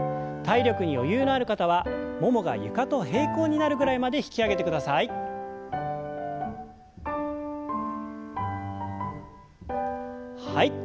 体力に余裕のある方はももが床と平行になるぐらいまで引き上げてください。